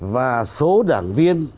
và số đảng viên